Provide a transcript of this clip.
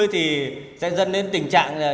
thì sẽ dân đến tình trạng là